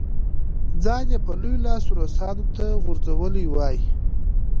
ځان یې په لوی لاس روسانو ته غورځولی وای.